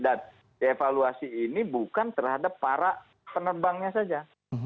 evaluasi ini bukan terhadap para penerbangnya saja